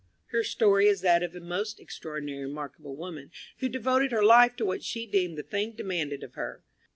Her story is that of a most extraordinary and remarkable woman, who devoted her life to what she deemed the thing demanded of her.